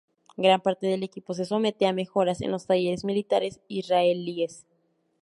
Gran parte del equipo se somete a mejoras en los talleres militares israelíes.